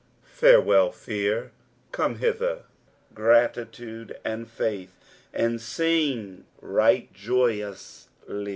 Farewell, fear. Come hither, graitude and faith, and uog dght joyously.